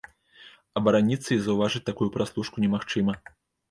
Абараніцца і заўважыць такую праслушку немагчыма.